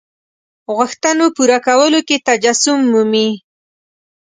غوښتنو پوره کولو کې تجسم مومي.